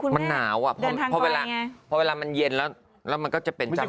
มันหนาวอ่ะเพราะเวลามันเย็นแล้วมันก็จะเป็นจังจัง